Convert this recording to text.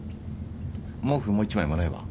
毛布もう１枚もらえば。